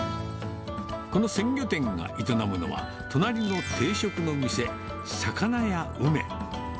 この鮮魚店が営むのは、隣の定食の店、さかなや梅。